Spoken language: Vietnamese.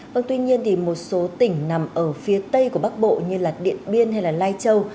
vâng tuy nhiên thì một số tỉnh nằm ở phía tây của bắc bộ như điện biên hay lai châu